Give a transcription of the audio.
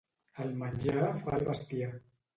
El menjar fa el bestiar.